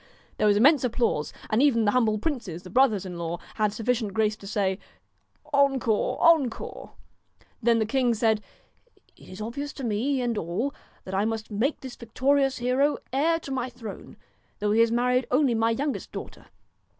There was immense applause, and even the hum bled princes, the brothers in law, had sufficient grace to say :' Encore, encore !' Then the king said :' It is obvious to me and to all, that I must make this victorious hero heir to my throne, though he has married only my youngest daughter.